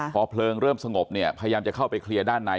พอเพลิงเริ่มสงบเนี่ยพยายามจะเข้าไปเคลียร์ด้านใน